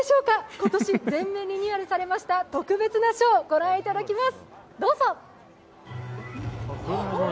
今年全面リニューアルされました特別なショーを御覧いただきます。